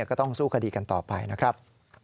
ก็ต้องสู้คดีกันต่อไปนะครับ